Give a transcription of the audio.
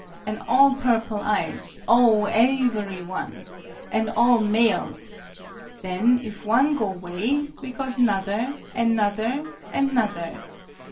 An' all purple eyes oh, aevery one! An' all males! Then, if one go 'way, we got 'nother an' 'nother an' 'nother.